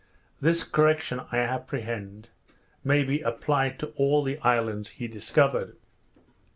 This correction, I apprehend, may be applied to all the islands he discovered.